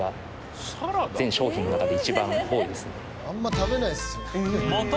あんま食べないっすよね。